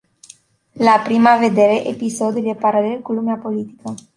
La prima vedere, episodul e paralel cu lumea politică.